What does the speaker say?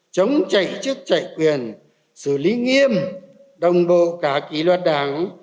chống chạy chức chạy quyền xử lý nghiêm đồng bộ cả kỷ luật đảng